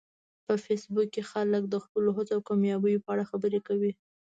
په فېسبوک کې خلک د خپلو هڅو او کامیابیو په اړه خبرې کوي